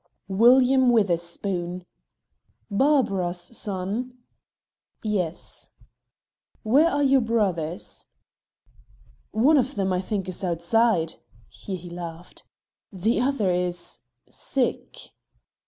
"William Witherspoon." "Barbara's son?" "Yes." "Where are your brothers?" "One of them, I think, is outside" here he laughed; "the other is sick."